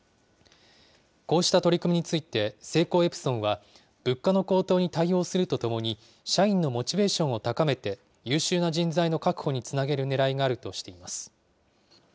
こうした取り組みについて、セイコーエプソンは、物価の高騰に対応するとともに、社員のモチベーションを高めて、優秀な人材の確保につなげるねらいがあるとしています。